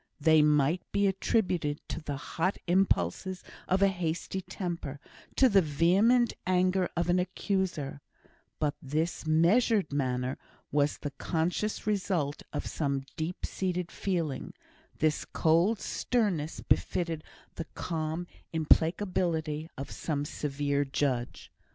They might be attributed to the hot impulses of a hasty temper to the vehement anger of an accuser; but this measured manner was the conscious result of some deep seated feeling; this cold sternness befitted the calm implacability of some severe judge.